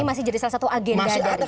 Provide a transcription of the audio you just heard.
ini masih jadi salah satu agenda dari